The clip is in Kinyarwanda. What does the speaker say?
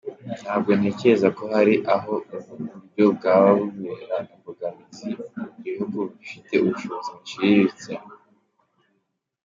Ntabwo ntekereza ko hari aho ubu uburyo bwaba bubera imbogamizi ibihugu bifite ubushobozi buciriritse.